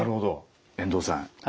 遠藤さん